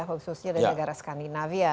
khususnya dari negara skandinavia